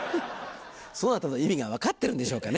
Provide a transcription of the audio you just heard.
ソナタの意味が分かってるんでしょうかね。